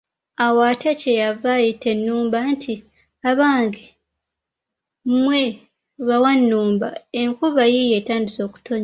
Awo ate kye yava ayita ennumba nti, abange mmwe bawannumba, enkuba yiiyo etandise okutonnya.